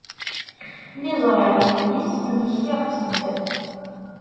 Mi ẓriɣ memmi-s, mmektiɣ-tt-id.